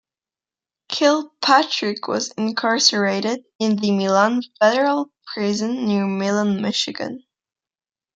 Kilpatrick was incarcerated in the Milan Federal Prison near Milan, Michigan.